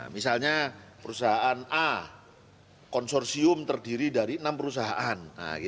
misalnya perusahaan a konsorsium terdiri dari enam perusahaan